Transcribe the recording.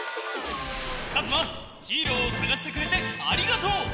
かずまヒーローをさがしてくれてありがとう！